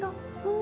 ん？